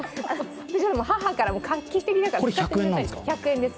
母から画期的だから使ってくださいと、これ、１００円です。